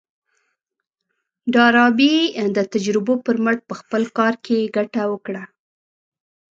ډاربي د تجربو پر مټ په خپل کار کې ګټه وکړه.